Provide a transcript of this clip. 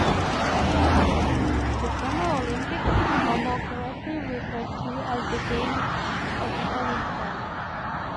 The Summer Olympics are more correctly referred to as the Games of the Olympiad.